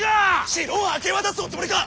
城を明け渡すおつもりか！